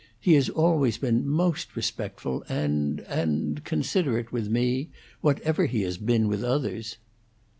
He has always been most respectful and and considerate, with me, whatever he has been with others."